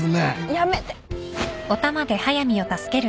やめて